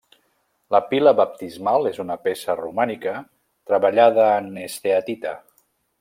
La pila baptismal és una peça romànica treballada en esteatita.